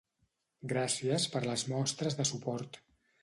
Gràcies per les mostres de suport.